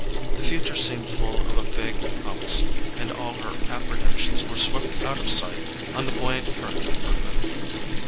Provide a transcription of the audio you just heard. The future seemed full of a vague promise, and all her apprehensions were swept out of sight on the buoyant current of her mood.